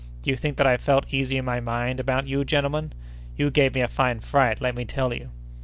Do you think that I felt easy in my mind about you, gentlemen? You gave me a fine fright, let me tell you!"